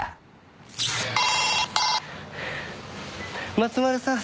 松丸さん。